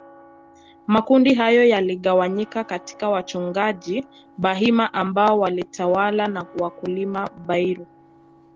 Makundi hayo yaligawanyika katiya wachungaji Bahima ambao walitawala na wakulima Bairu